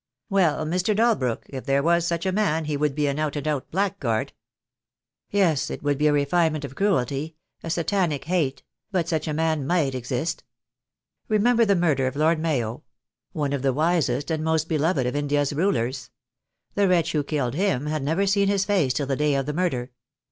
"Well, Mr. Dalbrook, if there was such a man he would be an out and out blackguard." "Yes, it would be a refinement of cruelty — a Satanic hate; but such a man might exist. Remember the murder of Lord Mayo — one of the wisest and most beloved of India's rulers. The wretch who killed him had never seen his face till the day of the murder.